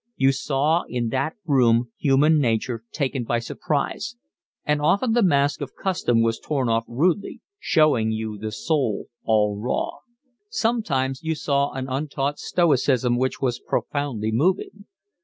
You saw in that room human nature taken by surprise, and often the mask of custom was torn off rudely, showing you the soul all raw. Sometimes you saw an untaught stoicism which was profoundly moving.